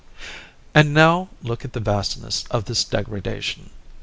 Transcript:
And now look at the vastness of this degradation.